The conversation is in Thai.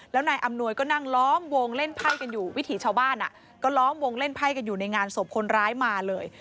แล้วนายอำนวยก็นั่งล้อมวงเล่นไพ่กันอยู่วิถีชาวบ้านก็ล้อมวงเล่นไพ่กันอยู่ในงานศพคนร้ายมาเลย